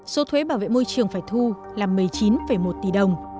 số thuế bảo vệ môi trường phải thu là một mươi chín một tỷ đồng